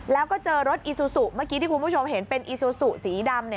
แล้วก็เจอรถอีซูซูเมื่อกี้ที่คุณผู้ชมเห็นเป็นอีซูซูสีดำ